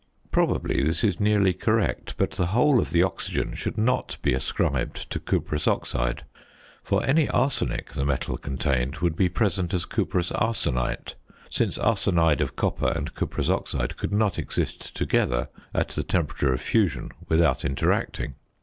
Probably this is nearly correct, but the whole of the oxygen should not be ascribed to cuprous oxide; for any arsenic the metal contained would be present as cuprous arsenite, since arsenide of copper and cuprous oxide could not exist together at the temperature of fusion without interacting.